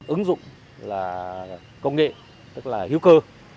ứng dụng là công nghệ tức là hữu cơ